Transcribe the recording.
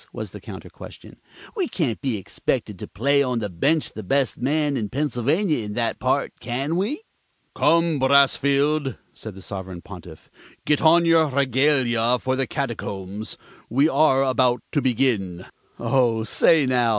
was the counter question. "We can't be expected to play on the bench the best man in Pennsylvania in that part, can we?" "Come, Brassfield," said the Sovereign Pontiff, "get on your regalia for the Catacombs. We are about to begin." "Oh, say, now!"